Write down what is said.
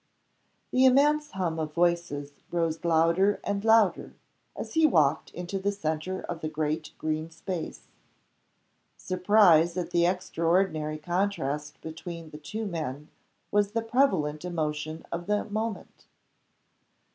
The immense hum of voices rose louder and louder as he walked into the centre of the great green space. Surprise at the extraordinary contrast between the two men was the prevalent emotion of the moment.